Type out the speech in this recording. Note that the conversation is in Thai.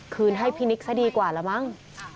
คืนให้พี่นิกซะดีกว่าละมั้ง